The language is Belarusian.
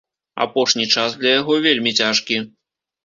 Апошні час для яго вельмі цяжкі.